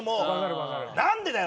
何でだよ